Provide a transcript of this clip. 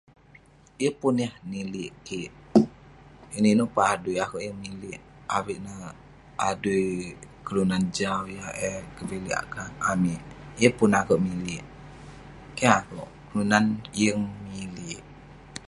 Yeng pun yah nili'ik kik. Inouk inouk peh adui, akouk yeng mili'ik. Avik neh adui kelunan jau yah kevilik amik, yeng pun akouk mili'ik. Keh akouk. Kelunan yeng mili'ik.